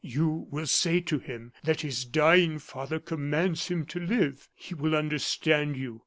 You will say to him that his dying father commands him to live; he will understand you.